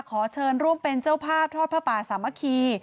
ขอเชิญร่วมเป็นเจ้าภาพทอดผ้าป่าสามัคคี